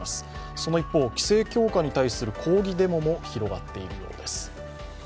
その一方、規制強化に対する抗議デモも広がっているようです。